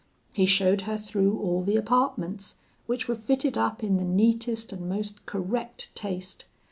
He showed her through all the apartments, which were fitted up in the neatest and most correct taste.